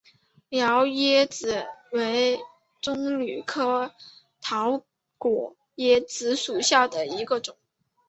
桃椰子为棕榈科桃果椰子属下的一个种。